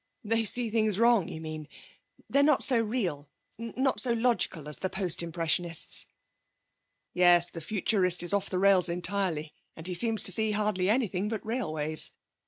They see things wrong, you mean. They're not so real, not so logical, as the Post Impressionists.' 'Yes, the Futurist is off the rails entirely, and he seems to see hardly anything but railways.